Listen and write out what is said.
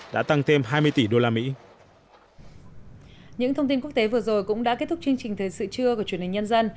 đã tăng thêm hai mươi tỷ usd